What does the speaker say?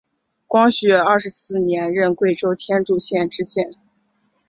光绪二十四年任贵州天柱县知县。